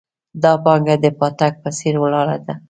دا پانګه د پاټک په څېر ولاړه ده.